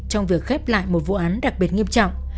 trong việc khép lại một vụ án đặc biệt nghiêm trọng